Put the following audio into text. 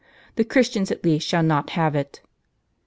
The Christians at least shall not have it."